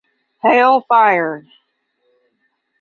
Hail fire!